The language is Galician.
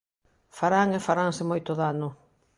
Farán e faranse moito dano.